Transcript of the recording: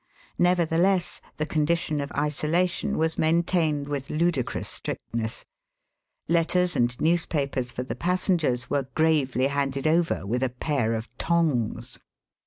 Nevertheless, the condition of isolation was maintained with ludicrous strictness. Letters and newspapers for the passengers were gravely handed over with a pair of tongs.